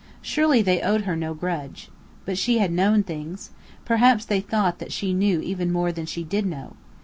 Surely they owed her no grudge. But she had known things. Perhaps they thought that she knew even more than she did know.